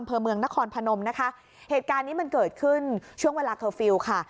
เมืองนครพนมนะคะเหตุการณ์นี้มันเกิดขึ้นช่วงเวลาเคอร์ฟิลล์ค่ะ